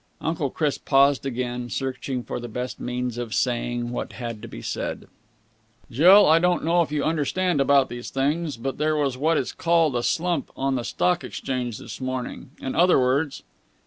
Uncle Chris paused again, searching for the best means of saying what had to be said. "Jill, I don't know if you understand about these things, but there was what is called a slump on the Stock Exchange this morning. In other words...."